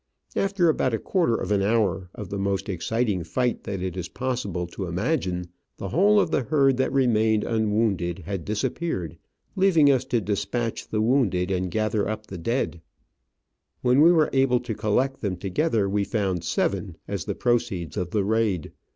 After about a quarter of an hour of the most exciting fight that it is possible to imagine, the whole of the herd that remained unwounded had disappeared, leaving us Digitized by VjOOQIC 96 Travels and Adventures to despatch the wounded and gather up the dead. When we were able to collect them together we found seven as the proceeds of the raid.